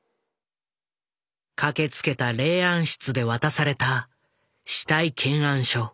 駆けつけた霊安室で渡された死体検案書。